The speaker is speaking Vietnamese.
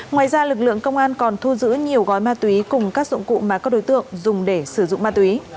ngoài ra lực lượng công an còn thu giữ nhiều gói ma túy cùng các dụng cụ mà các đối tượng dùng để sử dụng ma túy